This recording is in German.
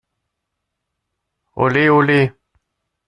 Olé, olé!